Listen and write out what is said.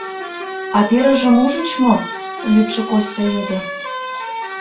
— А пирыжым ужыч мо? — лӱдшӧ Костя йодо.